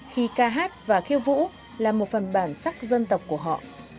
khi ca hát và khiêu vũ là một phần bản sắc dân tộc của họ